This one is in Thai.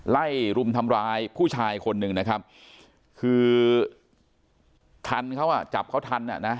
รุมทำร้ายผู้ชายคนหนึ่งนะครับคือคันเขาอ่ะจับเขาทันอ่ะนะ